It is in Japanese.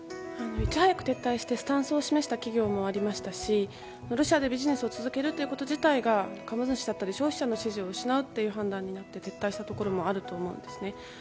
いち早く撤退してスタンスを示した企業もありましたしロシアでビジネスを続けること自体が株主や消費者の支持を失うという判断になって徹底したというところもあると思います。